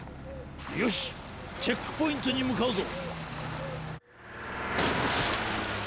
よしチェックポイントにむかうぞ！